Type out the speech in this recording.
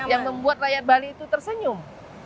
yang membuat rakyat bali itu tersenyum